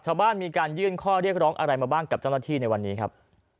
ชาวบ้านมีการยื่นข้อเรียกร้องอะไรมาบ้างกับเจ้าหน้าที่ในวันนี้ครับ